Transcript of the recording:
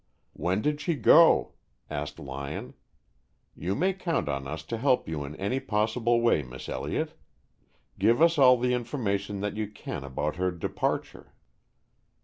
"When did she go?" asked Lyon. "You may count on us to help you in any possible way, Miss Elliott. Give us all the information that you can about her departure."